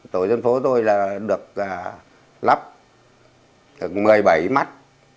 tổ dân phố tôi được lắp một mươi bảy mắt